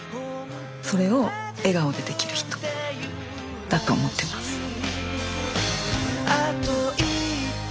それを笑顔でできる人だと思ってます。